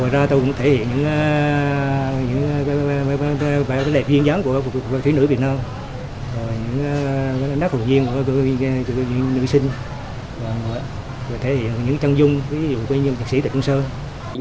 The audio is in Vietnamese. rồi những đất hồi viên những nữ sinh thể hiện những chân dung ví dụ như thật sĩ tịch công sơn